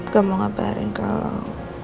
gue mau ngabarin kalau